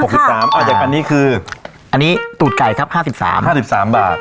หกสิบสามอ่าอย่างกันนี่คืออันนี้ตูดไก่ครับห้าสิบสามห้าสิบสามบาท